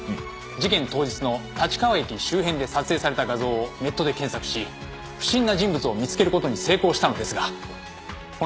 事件当日の立川駅周辺で撮影された画像をネットで検索し不審な人物を見つける事に成功したのですが本来ならばメールでお送りすれば済むところを